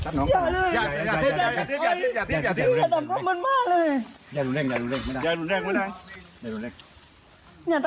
ไปไปอย่าเพิด